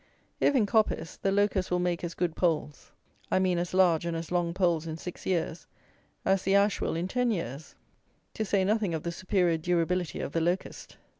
If in coppice, the locust will make as good poles; I mean as large and as long poles in six years, as the ash will in ten years: to say nothing of the superior durability of the locust.